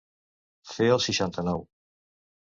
Fer el seixanta-nou.